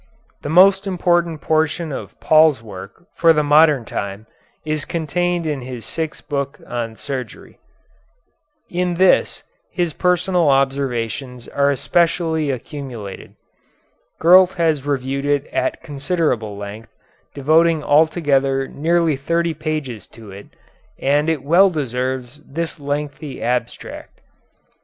The most important portion of Paul's work for the modern time is contained in his sixth book on surgery. In this his personal observations are especially accumulated. Gurlt has reviewed it at considerable length, devoting altogether nearly thirty pages to it, and it well deserves this lengthy abstract.